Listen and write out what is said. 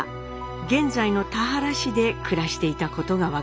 現在の田原市で暮らしていたことが分かりました。